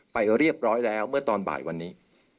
ไปเรียบร้อยแล้วเมื่อตอนบ่ายวันนี้